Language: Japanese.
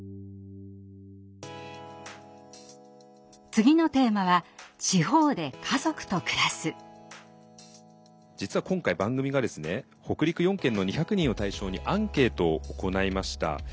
次のテーマは実は今回番組が北陸４県の２００人を対象にアンケートを行いました。